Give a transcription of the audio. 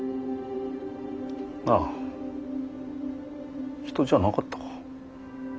ああ人じゃなかったか。